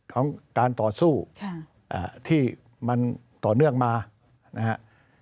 ของการต่อสู้ที่มันต่อเนื่องมานะครับ